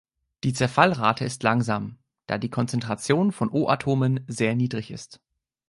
Die Zerfallrate ist langsam, da die Konzentration von O-Atomen sehr niedrig ist.